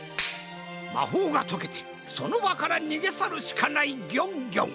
まほうがとけてそのばからにげさるしかないギョンギョン！